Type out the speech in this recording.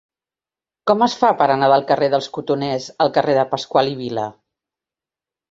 Com es fa per anar del carrer dels Cotoners al carrer de Pascual i Vila?